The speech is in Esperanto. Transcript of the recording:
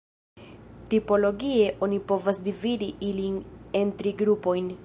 Tipologie oni povas dividi ilin en tri grupojn.